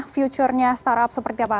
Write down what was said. future nya start up seperti apa